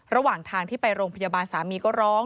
ระหว่างทางที่ไปโรงพยาบาลสามีก็ร้อง